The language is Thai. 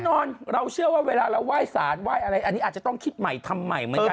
แน่นอนเราเชื่อว่าเวลาเราไหว้สารไหว้อะไรอันนี้อาจจะต้องคิดใหม่ทำใหม่เหมือนกัน